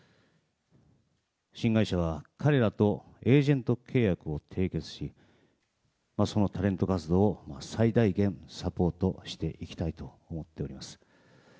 新会社は彼らとエージェント契約を締結し、そのタレント活動を最大限サポートしていきたいと思っております。